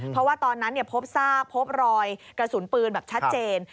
เพราะว่าตอนนั้นพบซากพบรอยกระสุนปืนแบบชัดเจน